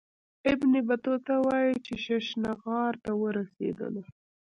ابن بطوطه وايي چې ششنغار ته ورسېدلو.